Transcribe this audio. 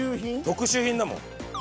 特秀品だもん。